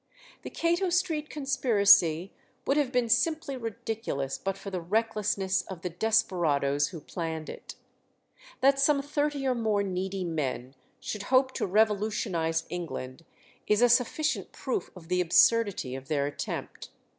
The Cato Street conspiracy would have been simply ridiculous but for the recklessness of the desperadoes who planned it. That some thirty or more needy men should hope to revolutionize England is a sufficient proof of the absurdity of their attempt.